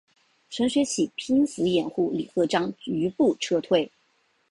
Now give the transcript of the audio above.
程学启拼死掩护李鹤章余部撤退。